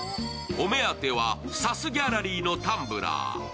お目当てはサスギャラリーのタンブラー。